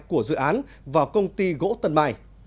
của dự án vào công ty gỗ tân mai